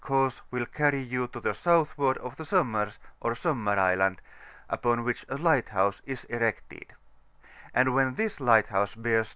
course will carry you to the southward of the Sommers or Sommar Island, upon which a lighthouse is erected ; and when this lighthouse bears N.